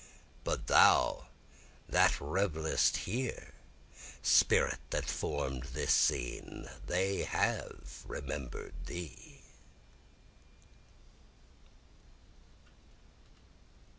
But thou that revelest here spirit that form'd this scene, They have remember'd thee.